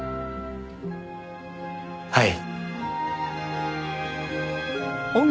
はい。